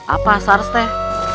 apa sars teh